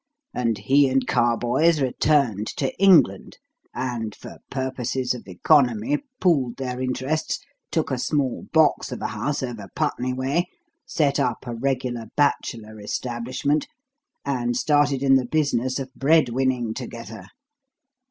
And he and Carboys returned to England, and, for purposes of economy, pooled their interests, took a small box of a house over Putney way, set up a regular 'bachelor establishment,' and started in the business of bread winning together.